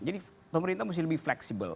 jadi pemerintah mesti lebih fleksibel